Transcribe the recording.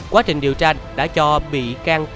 quá trình điều tra đã cho bị can